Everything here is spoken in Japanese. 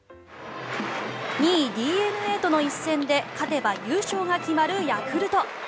２位ＤｅＮＡとの一戦で勝てば優勝が決まるヤクルト。